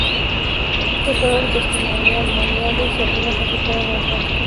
Aunque estos fueron testimoniales y apenas afectaron al transcurso normal de la carrera.